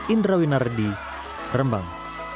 indra winardi rembang